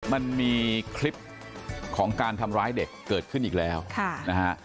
มันมีคลิปของการทำร้ายเด็กเกิดขึ้นอีกแล้วนะฮะ